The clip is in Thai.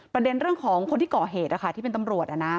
ประเด็นเรื่องของคนที่ก่อเหตุที่เป็นตำรวจ